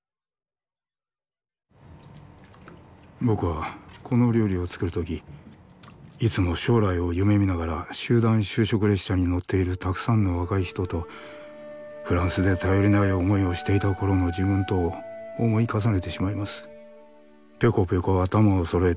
僕はこの料理を作るときいつも将来を夢見ながら集団就職列車に乗っているたくさんの若い人とフランスで頼りない思いをしていた頃の自分とを思い重ねてしまいます。